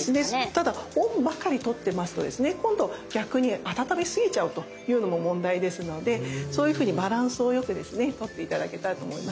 ただ「温」ばかりとってますとですね今度逆に温めすぎちゃうというのも問題ですのでバランスよくとって頂けたらと思います。